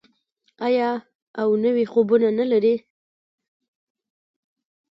آیا او نوي خوبونه نلري؟